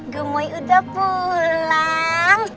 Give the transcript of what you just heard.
gemoy udah pulang